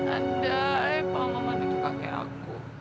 andai pak maman itu kakek aku